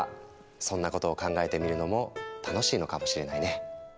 そんなことを考えてみるのも楽しいのかもしれないね。